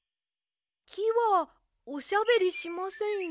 きはおしゃべりしませんよ。